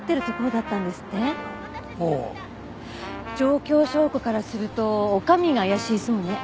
状況証拠からすると女将が怪しいそうね。